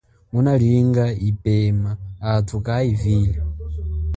Ngunalinga yipema athu kayivile.